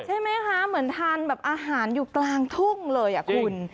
ใช่ไหมคะเหมือนทานแบบอาหารอยู่กลางทุ่งเลยอ่ะคุณ